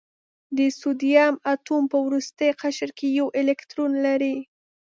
د سوډیم اتوم په وروستي قشر کې یو الکترون لري.